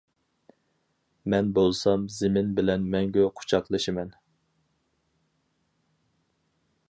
مەن بولسام زېمىن بىلەن مەڭگۈ قۇچاقلىشىمەن.